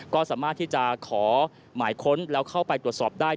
ก็สามารถที่จะขอหมายค้นแล้วเข้าไปตรวจสอบได้